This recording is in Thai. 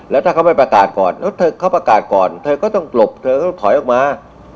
แล้วถ้าเขาไม่ประกาศก่อนแล้วเธอเขาประกาศก่อนเธอก็ต้องหลบเธอก็ต้องถอยออกมา